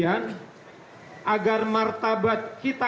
karena ini adalah tanggung jawab dan pertanyaan yang diberikan kepada kita